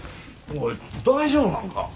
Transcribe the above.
おい大丈夫なんか？